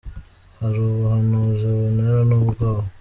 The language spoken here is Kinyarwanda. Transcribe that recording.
Hari ubuhanuzi buntera nubwoba